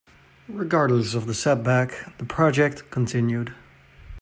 Regardless of the setback, the project continued.